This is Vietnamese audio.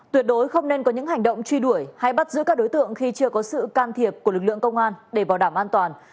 tuyệt đối không nên có những hành động truy đuổi hay bắt giữ các đối tượng khi chưa có sự can thiệp của lực lượng công an để bảo đảm an toàn